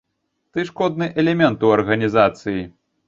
Ты шкодны элемент у арганізацыі.